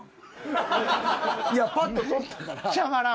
いやパッと取ったから。